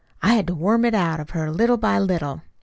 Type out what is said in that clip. I had to worm it out of her little by little.